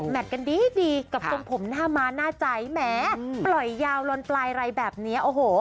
กันดีดีกับทรงผมหน้าม้าหน้าใจแหมปล่อยยาวลนปลายอะไรแบบนี้โอ้โห